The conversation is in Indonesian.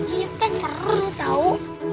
iya kan seru tau